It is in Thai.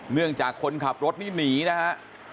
เนื่องจากคนขับรถนี่หนีนะฮะ